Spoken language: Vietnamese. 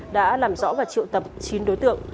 đã làm rõ và triệu tập chín đối tượng